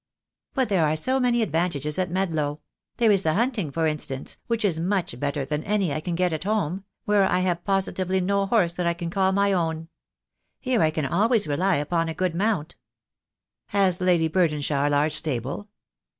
"But there are so many advantages •at Medlow. There is the hunting, for instance, which is much better than any I can get at home, where I have positively no horse that I can call my own. Here I can always rely upon a good mount." "Has Lady Burdenshaw a large stable?"